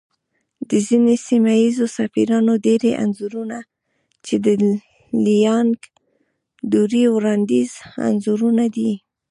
د ځينې سيمه ييزو سفيرانو ډېری انځورنه چې د ليانگ دورې وړانديزي انځورونه دي